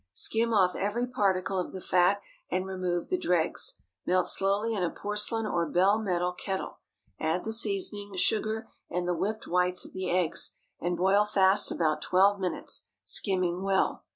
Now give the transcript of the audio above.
Skim off every particle of the fat, and remove the dregs; melt slowly in a porcelain or bell metal kettle, add the seasoning, sugar, and the whipped whites of the eggs, and boil fast about twelve minutes, skimming well.